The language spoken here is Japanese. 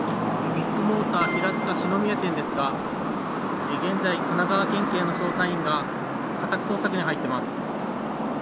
ビッグモーター平塚四之宮店ですが、現在、神奈川県警の捜査員が家宅捜索に入っています。